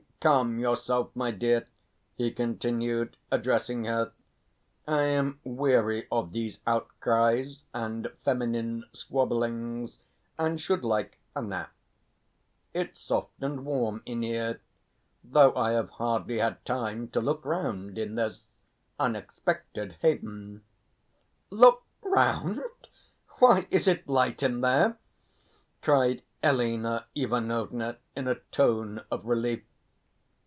Calm yourself, my dear," he continued, addressing her. "I am weary of these outcries and feminine squabblings, and should like a nap. It's soft and warm in here, though I have hardly had time to look round in this unexpected haven." "Look round! Why, is it light in there?" cried Elena Ivanovna in a tone of relief.